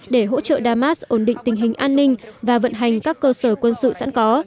để hỗ trợ damas ổn định tình hình an ninh và vận hành các cơ sở quân sự sẵn có